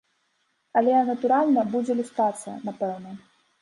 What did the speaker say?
Але, натуральна, будзе люстрацыя, напэўна.